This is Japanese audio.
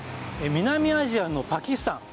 南アジアのパキスタン。